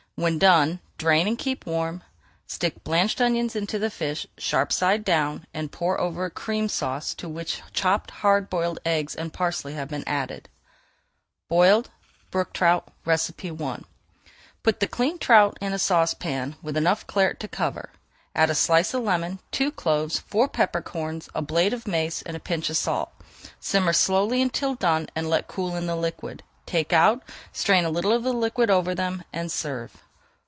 When done, drain and keep warm. Stick blanched almonds into the fish, sharp side down, and pour over a Cream Sauce to which chopped hard boiled eggs and parsley have been added. BOILED BROOK TROUT I Put the cleaned trout in a saucepan with [Page 413] enough Claret to cover. Add a slice of lemon, two cloves, four pepper corns, a blade of mace, and a pinch of salt. Simmer slowly until done and let cool in the liquid. Take out, strain a little of the liquid over them, and serve.